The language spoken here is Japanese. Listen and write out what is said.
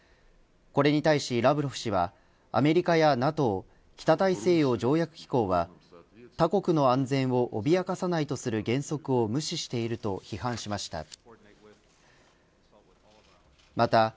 これに対しラブロフ氏はアメリカやＮＡＴＯ北大西洋条約機構は他国の安全を脅かさないとする原則を無視していると批判しました。